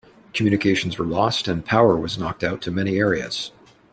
Communications were lost and power was knocked out to many areas.